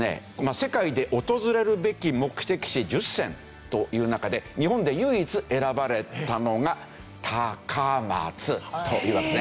世界で訪れるべき目的地１０選という中で日本で唯一選ばれたのがＴＡＫＡＭＡＴＳＵというわけですね。